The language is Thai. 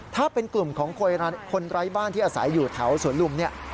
ถ้าเป็นกลุ่มของคนไร้บ้านที่อาศัยอยู่แถวสวนลุมเนี่ย